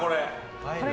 これ。